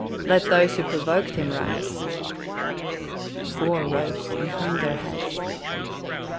"Let those who pro voked him rise." Four rose, and hung their heads.